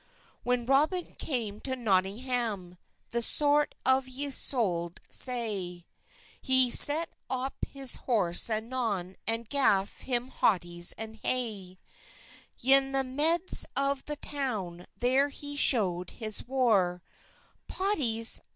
] WHEN Roben cam to Netynggam, The soyt yef y scholde saye, He set op hes horse anon, And gaffe hem hotys and haye. Yn the medys of the towne, Ther he schowed hes war; "Pottys!